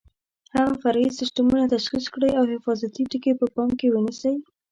هغه فرعي سیسټمونه تشخیص کړئ او حفاظتي ټکي په پام کې ونیسئ.